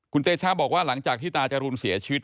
คุณเตชะบอกว่าหลังจากที่ตาจรูนเสียชีวิต